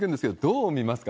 どう見ますか？